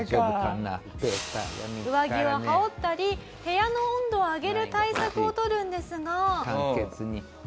上着を羽織ったり部屋の温度を上げる対策を取るんですが。